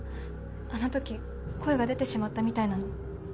あの時声が出てしまったみたいなの。